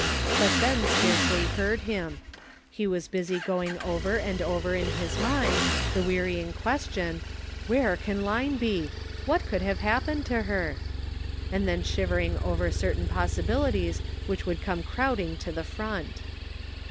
But Ben scarcely heard him ; he was busy going over and over in his mind the wearying question, " Where can Line be? What could have happened to her?" and then shivering over certain possibilities which would come crowding to the front.